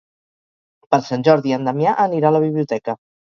Per Sant Jordi en Damià anirà a la biblioteca.